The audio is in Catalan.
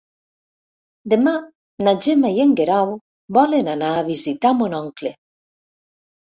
Demà na Gemma i en Guerau volen anar a visitar mon oncle.